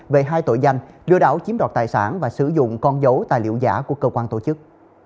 về hai tội danh lừa đảo chiếm đoạt tài sản và sử dụng con dấu tài liệu giả của cơ quan tổ chức